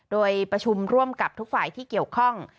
โดยประชุมร่วมกับทุกฝ่ายที่เกี่ยวข้อง